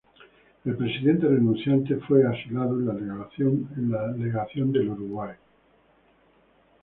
El presidente renunciante fue asilado en la Legación del Uruguay.